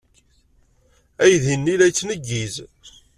Aydi-nni la yettneggiz.